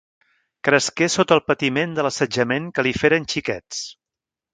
Cresqué sota el patiment de l'assetjament que li feren xiquets.